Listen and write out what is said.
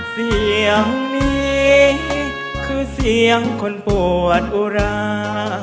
เสียงนี้คือเสียงคนปวดอุรา